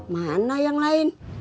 mana yang lain